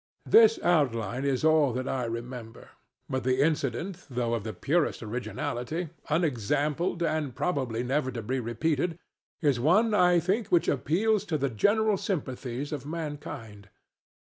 This outline is all that I remember. But the incident, though of the purest originality, unexampled, and probably never to be repeated, is one, I think, which appeals to the general sympathies of mankind.